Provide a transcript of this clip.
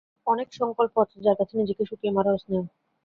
অনেক সংকল্প আছে যার কাছে নিজেকে শুকিয়ে মারাও শ্রেয়।